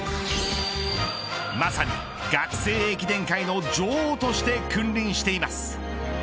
まさに学生駅伝界の女王として君臨しています。